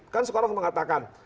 kan sekarang saya mengatakan